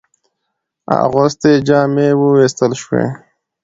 اغوستي جامې ووېستل شوې.